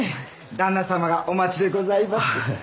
旦那様がお待ちでございます。